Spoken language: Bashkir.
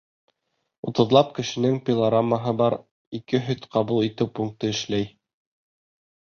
Утыҙлап кешенең пилорамаһы бар, ике һөт ҡабул итеү пункты эшләй.